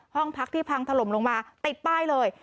ห้องพักที่พังถล่มลงมาติดป้ายเลย